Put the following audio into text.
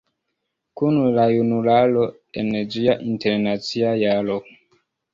Kun la junularo, en ĝia Internacia Jaro...".